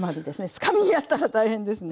つかみだったら大変ですね。